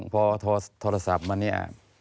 เพราะว่าโทรศัพท์มานี้